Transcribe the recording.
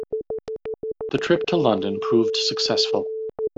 The trip to London proved successful.